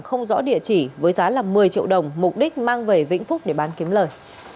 không rõ địa chỉ với giá một mươi triệu đồng mục đích mang về vĩnh phúc để bán kiếm lời